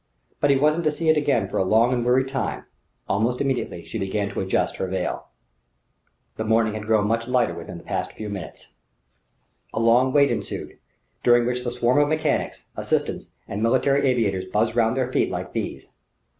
But he wasn't to see it again for a long and weary time; almost immediately she began to adjust her veil. The morning had grown much lighter within the last few minutes. A long wait ensued, during which the swarm of mechanics, assistants and military aviators buzzed round their feet like bees.